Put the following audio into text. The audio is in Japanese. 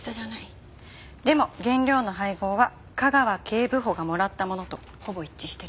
でも原料の配合は架川警部補がもらったものとほぼ一致してる。